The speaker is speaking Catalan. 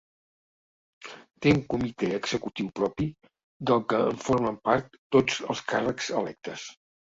Té un Comité Executiu propi, del que en formen part tots els càrrecs electes.